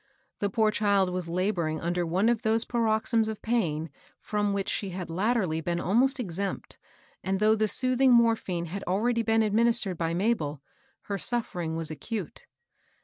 The poor child was laboring under one of those parox ysms of pain from which she had latterly been almost exempt, and, though the soothing morphine had already been administered by Mabel, her suf fering was acute.